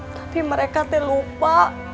tapi mereka teh lupa